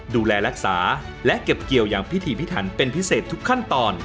ดูแลรักษาและเก็บเกี่ยวอย่างพิธีพิถันเป็นพิเศษทุกขั้นตอน